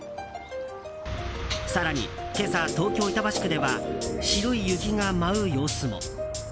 更に、今朝、東京・板橋区では白い雪が舞う様子も。